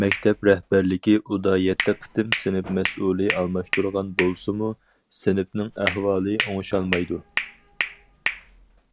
مەكتەپ رەھبەرلىكى ئۇدا يەتتە قېتىم سىنىپ مەسئۇلى ئالماشتۇرغان بولسىمۇ، سىنىپنىڭ ئەھۋالى ئوڭشالمايدۇ.